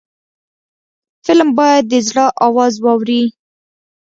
فلم باید د زړه آواز واوري